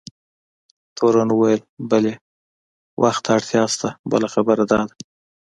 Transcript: تورن وویل: بلي، وخت ته اړتیا شته، بله خبره دا ده.